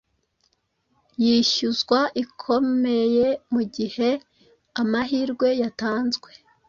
Yishyuzwa ikomeyemugihe amahirwe yatanzwe